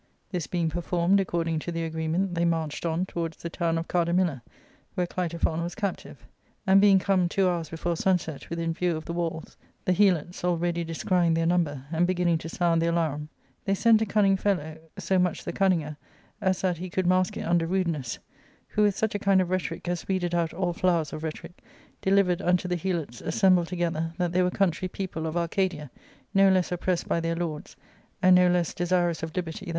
This being performed according to the agreement, they marched on towards the town of Cajdamila, where Clitophon was captive ; and being come, two hours before sunset, within view of the walls, the Helots already descrying their number, and beginning to sound the alarum, they sent a cunning fellow — so much the cunninger as that he could mask it under rudeness — who, with such a kind of rhetoric as weeded out all flowers of ^34 ARCADIA.^Book I. f rhetoric, delivered unto the Helots assfinjhlsdjfigether that they were country people of Arcadia, no less oppressed by their lords, arid no less desirous of. liberty.>